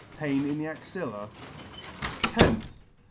Pain in the axilla, loth.